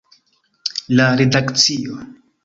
La redakcio.